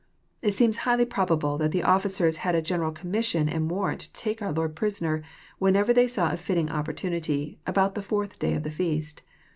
— It seems highly probable that the offi cers had a general commission and warrant to take our Lord prisoner, whenever they saw a fitting opportunity, about the fourth day of the feast.